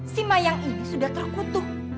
si mayang ini sudah terkutuk